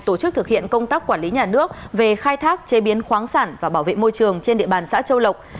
tổ chức thực hiện công tác quản lý nhà nước về khai thác chế biến khoáng sản và bảo vệ môi trường trên địa bàn xã châu lộc